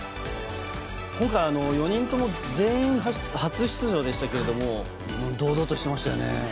今回４人とも全員、初出場でしたが堂々としてましたよね。